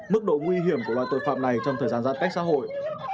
mức độ nguy hiểm của loài tội phạm này trong thời gian giãn tách xã hội